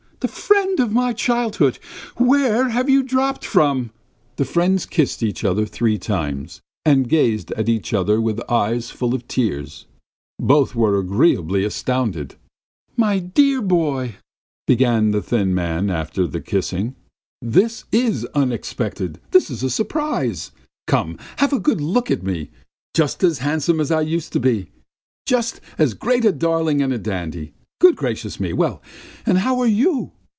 The friend of my childhood! Where have you dropped from?" The friends kissed each other three times, and gazed at each other with eyes full of tears. Both were agreeably astounded. "My dear boy!" began the thin man after the kissing. "This is unexpected! This is a surprise! Come have a good look at me! Just as handsome as I used to be! Just as great a darling and a dandy! Good gracious me! Well, and how are you?